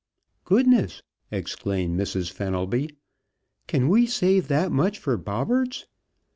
"Goodness!" exclaimed Mrs. Fenelby. "Can we save that much for Bobberts?